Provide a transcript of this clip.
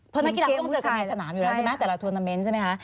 เพราะนักกีฬาต้องเจอกันในสนามอยู่แล้วใช่ไหมแต่ละทวนาเมนต์ใช่ไหมคะ